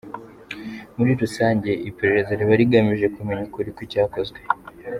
Muri rusange, iperereza riba rigamije kumenya ukuri kw’icyakozwe.